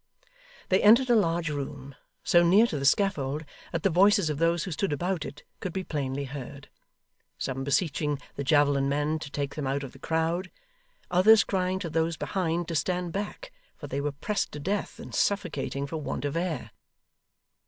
They entered a large room, so near to the scaffold that the voices of those who stood about it, could be plainly heard: some beseeching the javelin men to take them out of the crowd: others crying to those behind, to stand back, for they were pressed to death, and suffocating for want of air.